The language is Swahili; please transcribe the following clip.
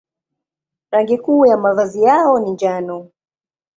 Rangi kuu ya mavazi yao ni njano.